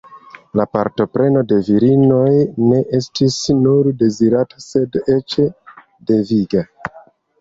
La partopreno de virinoj ne estis nur dezirata sed eĉ deviga.